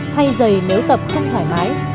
thay giày nếu tập không thoải mái